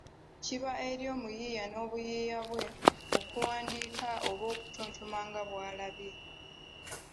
Kiba eri omuyiiya n’obuyiiya bwe okuwandiika oba okutontoma nga bw’alabye.